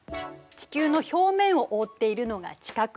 地球の表面をおおっているのが地殻。